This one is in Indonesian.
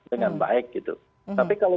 dengan baik tapi kalau